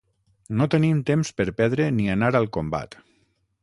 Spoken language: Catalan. No tenim temps per perdre ni anar al combat.